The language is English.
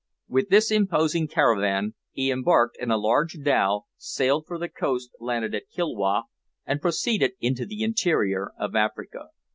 With this imposing caravan he embarked in a large dhow, sailed for the coast landed at Kilwa, and proceeded into the interior of Africa.